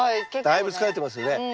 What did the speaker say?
だいぶ疲れてますよね。